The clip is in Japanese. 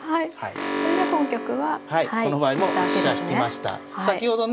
それで本局は引いたわけですね。